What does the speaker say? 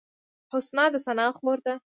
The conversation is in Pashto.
حسنا د ثنا خور ده